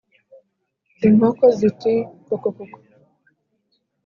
Inkoko ziti kokokoko